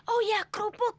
oh iya kerupuk